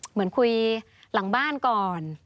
เหมือนคุยหลังบ้านก่อน